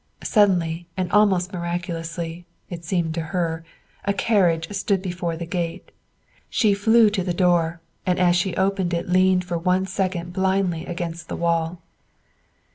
Suddenly and almost miraculously, it seemed to her, a carriage stood before the gate. She flew to the door, and as she opened it leaned for one second blindly against the wall.